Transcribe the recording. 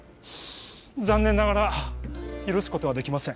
残念ながら許すことはできません。